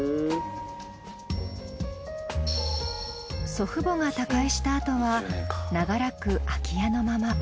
祖父母が他界したあとは長らく空き家のまま。